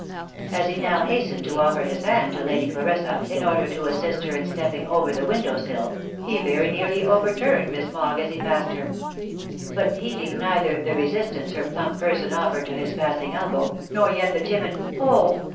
As he now hastened to offer his hand to Lady Clarissa in order to assist her in stepping over the window sill, he very nearly over turned Miss Mogg as he passed her ; but heeding neither the re sistance her plump person offered to his passing elbow, nor yet the timid " oh